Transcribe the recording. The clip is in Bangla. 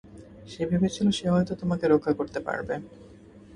সে ভেবেছিল সে হয়ত তোমাকে রক্ষা করতে পারবে।